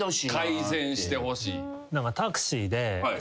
改善してほしい。